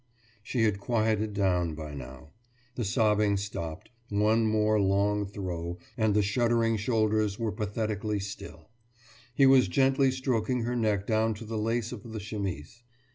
« She had quieted down by now. The sobbing stopped; one more long throe, and the shuddering shoulders were pathetically still; he was gently stroking her neck down to the lace of the chemise.